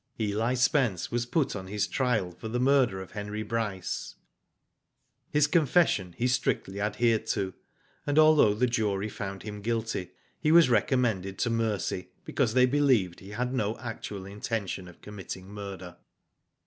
Eli Spence was put on his trial for the murder of Henry Bryce. His confession he strictly adhered to, and although the jury found him guilty, he was recommended to mercy because they believed he had no actual intejition of committing murder.